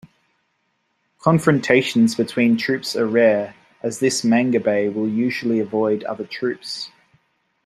Confrontations between troops are rare, as this mangabey will usually avoid other troops.